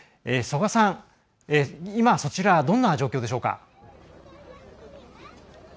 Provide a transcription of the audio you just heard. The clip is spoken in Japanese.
曽我さん、今そちらはどんな状況でしょうか？